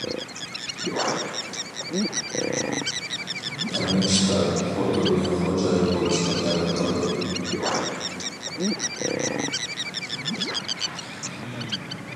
ھەممە ئىشتا خوتۇننى خوجايىن بولۇشقا دەۋەت قىلىدۇ.